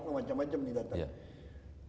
lo macam macam nih datang